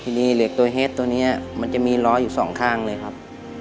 ทีนี้เหล็กตัวเฮ็ดตัวนี้มันจะมีล้ออยู่สองข้างเลยครับ